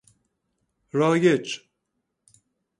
رایج